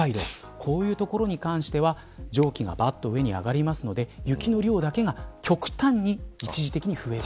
こういう所に関しては蒸気が上に上がるので雪の量だけが、極端に一時的に増える。